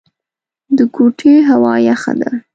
د کوټې هوا يخه ده.